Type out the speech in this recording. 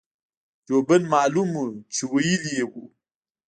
جوبن معلوم وو چې وييلي يې وو-